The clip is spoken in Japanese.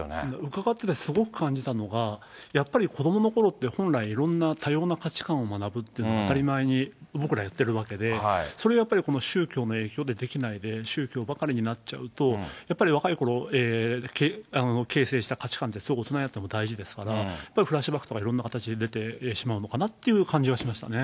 伺ってて、すごく感じたのが、やっぱり子どもの頃って本来、いろんな多様な価値観を学ぶっていうのは当たり前に僕らやってるわけで、それをやっぱりこの宗教の影響でできないで、宗教ばかりになっちゃうと、やっぱり若いころ、形成した価値観ってすごく大事ですから、フラッシュバックとかいろんな形で出てしまうのかなという感じがしましたね。